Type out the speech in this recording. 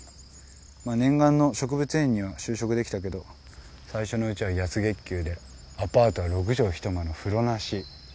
念願の植物園には就職できたけど最初のうちは安月給でアパートは６畳１間の風呂なし。